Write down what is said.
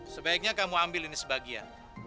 sebaiknya kamu ambil ini sebagian